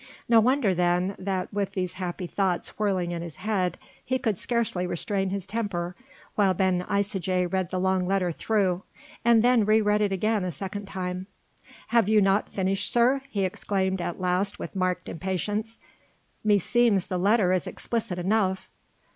No wonder then, that with these happy thoughts whirling in his head, he could scarcely restrain his temper while Ben Isaje read the long letter through, and then re read it again a second time. "Have you not finished, sir?" he exclaimed at last with marked impatience, "meseems the letter is explicit enough."